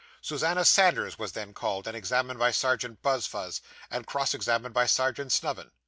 Susannah Sanders was then called, and examined by Serjeant Buzfuz, and cross examined by Serjeant Snubbin.